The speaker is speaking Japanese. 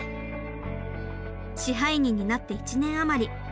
支配人になって１年余り。